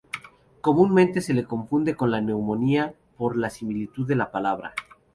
Comúnmente se la confunde con la neumonía por la similitud de la palabra.